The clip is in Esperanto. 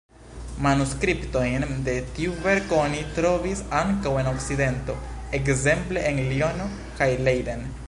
Manuskriptojn de tiu verko oni trovis ankaŭ en Okcidento, ekzemple en Liono kaj Leiden.